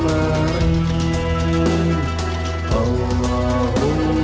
namanya kok bisa imperfectiel lebih mak mieux